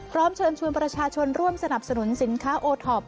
พร้อมเชิญชวนประชาชนร่วมสนับสนุนสินค้าโอท็อป